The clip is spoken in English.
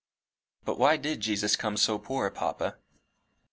"But why did Jesus come so poor, papa?"